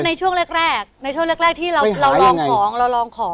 ในช่วงแรกในช่วงแรกที่เราลองของเราลองของ